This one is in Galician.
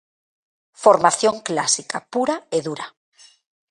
Formación clásica pura e dura.